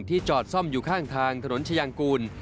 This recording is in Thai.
จอดซ่อมอยู่ข้างทางถนนชายางกูล